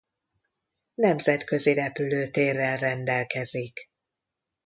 Nemzetközi repülőtérrel rendelkezik.